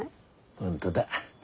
本当だ。